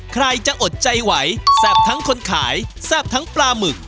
ใครจะอดใจไหวแซ่บทั้งคนขายแซ่บทั้งปลาหมึก